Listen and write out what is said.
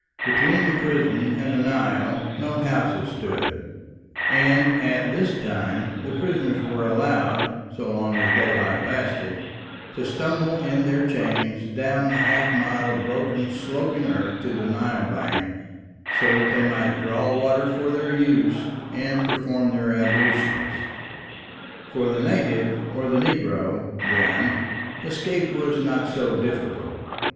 Between the prison and the Nile no houses stood, and at this time the prisoners were allowed, so long as daylight lasted, to stumble in their chains down the half mile of broken sloping earth to the Nile bank, so that they might draw water for their use and perform their ablutions. For the native or the negro, then, escape was not so difficult.